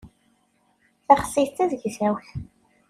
Taxsayt d tazegzawt.